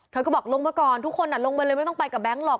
เธอก็บอกลงมาก่อนทุกคนลงไปเลยไม่ต้องไปกับแก๊งหรอก